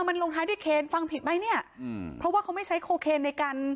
มันลงท้ายด้วยเคนฟังผิดไหมเนี่ยอืมเพราะว่าเขาไม่ใช้โคเคนในการ